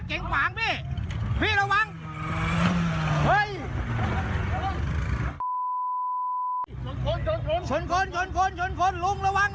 หัวอย่างหรือผ้า